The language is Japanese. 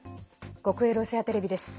国営ロシアテレビです。